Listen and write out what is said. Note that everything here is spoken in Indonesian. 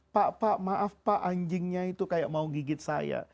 pak pak maaf pak anjingnya itu kayak mau gigit saya